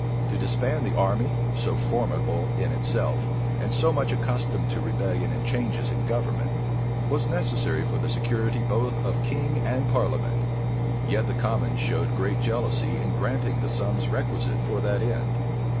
To disband the army, so formidable in itself, and so much accustomed to rebellion and changes of government, was necessary for the security both of king and parliament; yet the commons showed great jealousy in granting the sums requisite for that end.